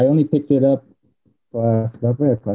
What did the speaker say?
sebenarnya basketball bukan sebuah sport pertama gue